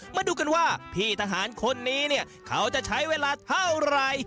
มาดูกันว่าพี่ทหารคนนี้เนี่ยเขาจะใช้เวลาเท่าไหร่